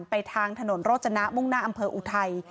ไปทางถนนรถจนะมุงนาออุทัย